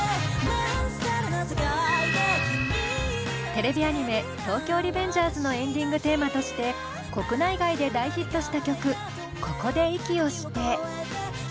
テレビアニメ「東京リベンジャーズ」のエンディングテーマとして国内外で大ヒットした曲「ここで息をして」。